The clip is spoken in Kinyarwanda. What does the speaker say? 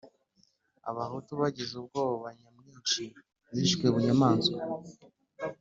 abahutu bagize ubwoko nyamwinshi bishwe bunyamaswa